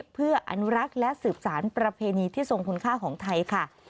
เพื่ออนุรักษ์และสืบสารประเพณีที่ทรงคุณค่าของไทยค่ะ